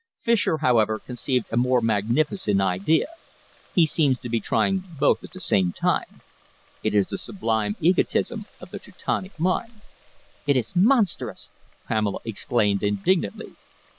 Fischer, however, conceived a more magnificent idea. He seems to be trying both at the same time. It is the sublime egotism of the Teutonic mind." "It is monstrous!" Pamela exclaimed indignantly.